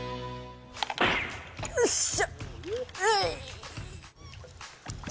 よっしゃ！